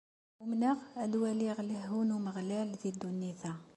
Umneɣ ad waliɣ lehhu n Umeɣlal di ddunit-a.